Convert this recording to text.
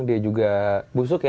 dia juga busuk ya